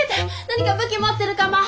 何か武器持ってるかも。